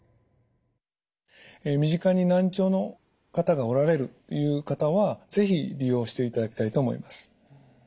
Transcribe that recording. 身近に難聴の方がおられるっていう方は是非利用していただきたいと思います。